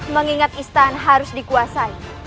mengingat istana harus dikuasai